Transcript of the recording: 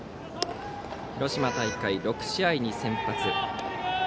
広島大会６試合に先発。